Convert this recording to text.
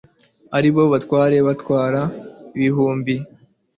ari bo abatware batwara ibihumbi